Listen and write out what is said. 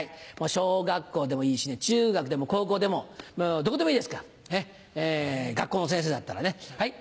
小学校でもいいしね中学でも高校でもどこでもいいですから学校の先生だったらね。